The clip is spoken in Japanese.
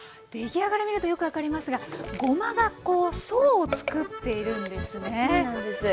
出来上がりを見るとよく分かりますがごまが層を作っているんですね。